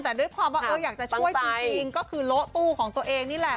แต่ด้วยความว่าอยากจะช่วยจริงก็คือโละตู้ของตัวเองนี่แหละ